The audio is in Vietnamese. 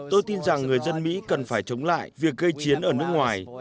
tôi tin rằng người dân mỹ cần phải chống lại việc gây chiến ở nước ngoài